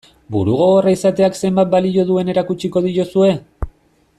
Burugogorra izateak zenbat balio duen erakutsiko diozue?